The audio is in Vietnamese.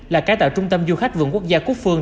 là cải tạo trung tâm du khách vườn quốc gia quốc phương